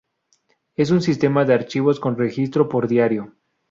Es un sistema de archivos con registro por diario.